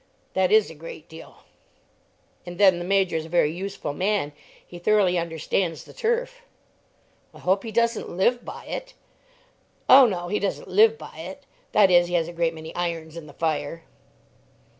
"That is a great deal." "And then the Major is a very useful man. He thoroughly understands the turf." "I hope he doesn't live by it?" "Oh no; he doesn't live by it. That is, he has a great many irons in the fire."